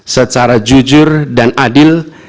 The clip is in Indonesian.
secara jujur dan adil